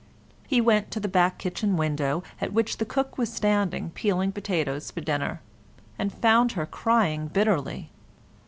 He went to the back kitchen window, at which the cook was standing peeling the potatoes for dinner, and found her crying bitterly.